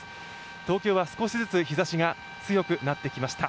東京は少しずつ日ざしが強くなってきました。